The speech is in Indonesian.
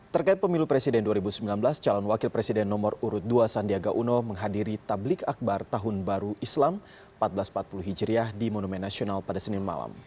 terkait pemilu presiden dua ribu sembilan belas calon wakil presiden nomor urut dua sandiaga uno menghadiri tablik akbar tahun baru islam seribu empat ratus empat puluh hijriah di monumen nasional pada senin malam